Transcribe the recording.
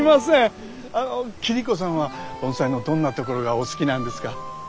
桐子さんは盆栽のどんなところがお好きなんですか？